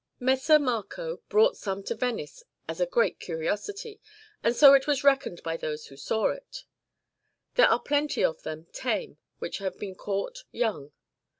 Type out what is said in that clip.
Messer Marco brought some to Venice as a great curiosity, and so it was reckoned by those who saw it]. There are also plenty of them tame, which have been caught young.